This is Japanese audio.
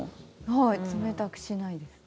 はい、冷たくしないです。